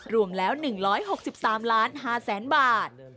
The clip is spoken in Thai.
รวมแล้ว๑๖๓ล้าน๕๐๐บาท